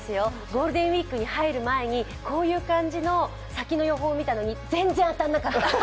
ゴールデンウイークに入る前に、こういう感じの先の予報を見たのに全然当たらなかった。